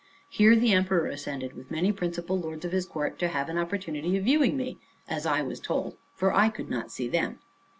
Here the emperor ascended, with many principal lords of his court, to have an opportunity of viewing me, as I was told, for I could not see them.